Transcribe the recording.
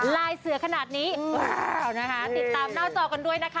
ลายเสือขนาดนี้นะคะติดตามหน้าจอกันด้วยนะคะ